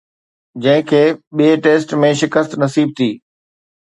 جنهن کي ٻئي ٽيسٽ ۾ شڪست نصيب ٿي